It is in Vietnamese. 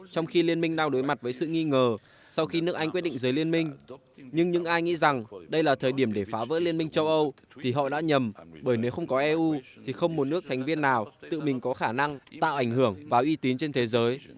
trong khi liên minh đang đối mặt với sự nghi ngờ sau khi nước anh quyết định giới liên minh nhưng những ai nghĩ rằng đây là thời điểm để phá vỡ liên minh châu âu thì họ đã nhầm bởi nếu không có eu thì không một nước thành viên nào tự mình có khả năng tạo ảnh hưởng và uy tín trên thế giới